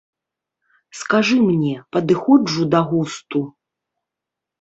Скажы мне, падыходжу да густу?